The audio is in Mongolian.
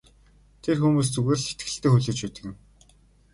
Тэр хүмүүс зүгээр л итгэлтэй хүлээж байдаг юм.